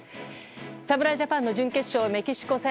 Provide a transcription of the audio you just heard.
侍ジャパンの準決勝、メキシコ戦。